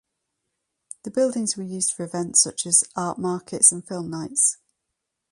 The buildings were used for events such as art markets and film nights.